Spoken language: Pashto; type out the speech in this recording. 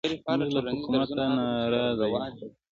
موږ له حکومته نارازه یو